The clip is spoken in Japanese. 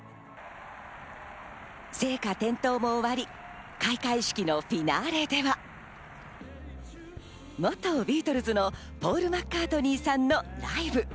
聖火点灯も終わり、開会式のフィナーレでは、元ビートルズのポール・マッカートニーさんのライブ。